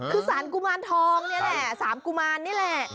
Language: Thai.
คือสารกุมารทองนี่แหละ๓กุมารนี่แหละ